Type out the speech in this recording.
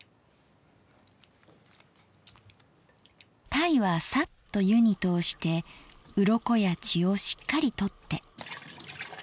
鯛はサッと湯に通してウロコや血をしっかり取って。